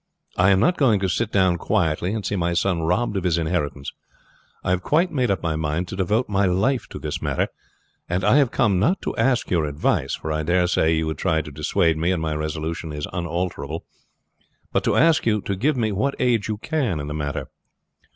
I am not going to sit down quietly and see my son robbed of his inheritance. I have quite made up my mind to devote my life to this matter, and I have come, not to ask your advice for I dare say you would try to dissuade me, and my resolution is unalterable but to ask you to give me what aid you can in the matter."